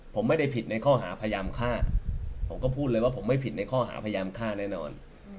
ผมไม่ได้ผิดในข้อหาพยายามฆ่าผมก็พูดเลยว่าผมไม่ผิดในข้อหาพยายามฆ่าแน่นอน